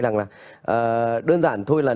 là đơn giản thôi là